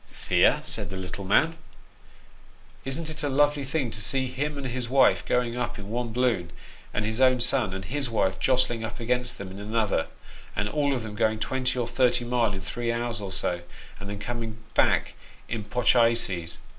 " Fear !" said the little man :" isn't it a lovely thing to see him and his wife a going up in one balloon, and his own son and his wife a jostling up against them in another, and all of them going twenty or thirty mile in three hours or so, and then coming back in pochayses